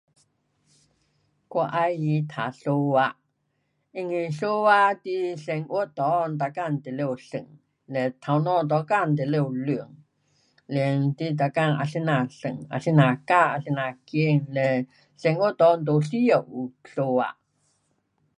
我喜欢读数学，因为数学你生活内每天都要算，嘞头脑每天都得练，嘞你每天啊怎样算，啊怎样加，啊怎样减，嘞生活中都需要有数学。